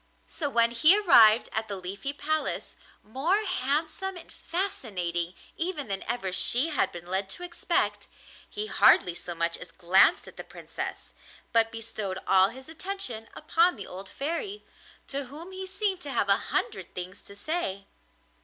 So when he arrived at the Leafy Palace, more handsome and fascinating even than ever she had been led to expect, he hardly so much as glanced at the Princess, but bestowed all his attention upon the old Fairy, to whom he seemed to have a hundred things to say.